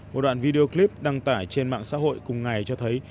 một đoạn video clip đăng tải trên mạng xã hội cùng ngày cho thấy